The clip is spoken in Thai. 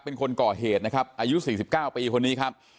เป็นคนก่อเหตุนะครับอายุ๔๙ปีคนนี้ครับ